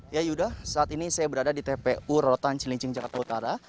ya yuda saat ini saya berada di tpu rorotan cilincing jakarta utara